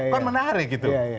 kan menarik gitu